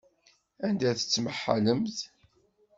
Anda tettmahalemt?